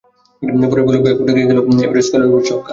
পরের বলেও ব্যাকফুটে গিয়ে পুল, এবার স্কয়ার লেগের ওপর দিয়ে ছক্কা।